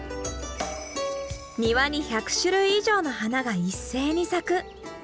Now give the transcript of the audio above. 庭に１００種類以上の花が一斉に咲く。